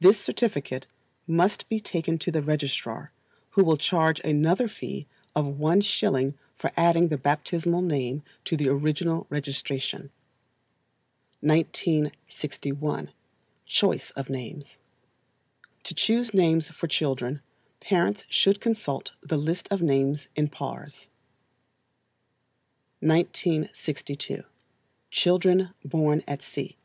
This certificate must he taken to the registrar, who will charge another fee of one shilling for adding the baptisinal name to the original registration. [FRUGALITY PROVES AN EASY CHAIR FOR OLD AGE.] 1961. Choice of Names. To choose names for children, parents should consult the list of names in pars. 971, 972. 1962. Children born at Sea.